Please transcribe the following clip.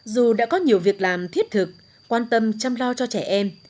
dù đã có nhiều việc làm thiết thực quan tâm chăm lo cho trẻ em